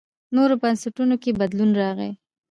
نورو بنسټونو کې بدلون راغی.